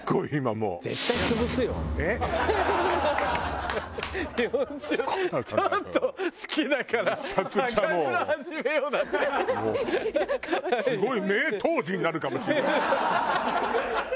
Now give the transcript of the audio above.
もうすごい名杜氏になるかもしれない。